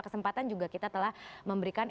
kesempatan juga kita telah memberikan